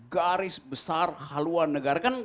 garis besar haluan negara kan